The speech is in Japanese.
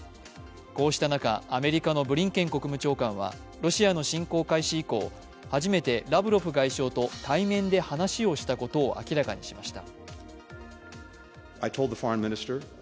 こうした中、アメリカのブリンケン国務長官はロシアの侵攻開始以降、初めてラブロフ外相と対面で話をしたことを明らかにしました。